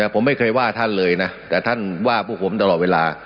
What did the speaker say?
ผมไม่เคยว่าท่านเลยนะแต่ท่านว่าพวกผมตลอดเวลา